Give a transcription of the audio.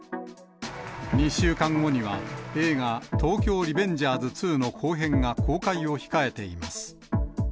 ２週間後には、映画、東京リベンジャーズ２の後編が公開を控えています。